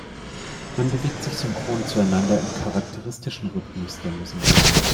Man bewegt sich synchron zueinander im charakteristischen Rhythmus der Musik.